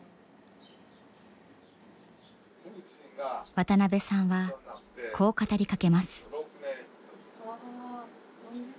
渡邊さんはこう語りかけます。